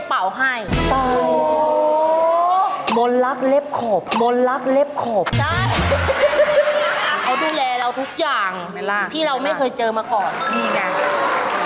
ใช่เขาดูแลเราทุกอย่างที่เราไม่เคยเจอมาก่อนมีอย่างนั้น